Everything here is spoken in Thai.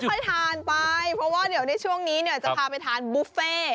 ค่อยทานไปเพราะว่าในช่วงนี้จะพาไปทานบุฟเฟ่